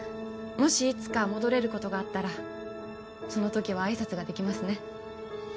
もしいつか戻れることがあったらその時は挨拶ができますね